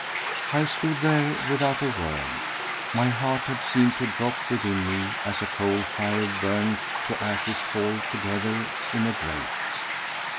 I stood there without a word. My heart had seemed to drop within me as a coal fire burnt to ashes falls together in a grate.